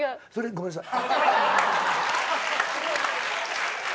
ごめんなさい。